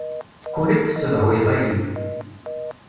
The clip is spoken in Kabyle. Kul iḍ tessedhuyeḍ-iyi.